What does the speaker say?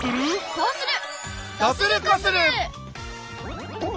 こうする！